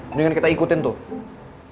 mendingan kita ikutin tuh